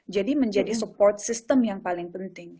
jadi menjadi support system yang paling penting